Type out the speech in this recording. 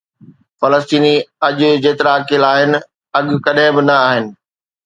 فلسطيني اڄ جيترا اڪيلا آهن، اڳ ڪڏهن به نه آهن.